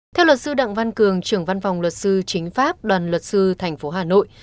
theo luật sư đặng văn cường trưởng văn phòng luật sư chính pháp đoàn luật sư tp hà nội